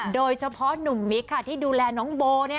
โดยเฉพาะหนุ่มมิคค่ะที่ดูแลน้องโบ